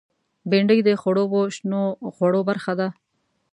بېنډۍ د خړوبو شنو خوړو برخه ده